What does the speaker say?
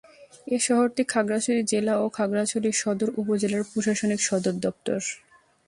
এ শহরটি খাগড়াছড়ি জেলা ও খাগড়াছড়ি সদর উপজেলার প্রশাসনিক সদরদপ্তর।